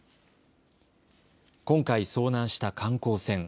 今回、遭難した観光船。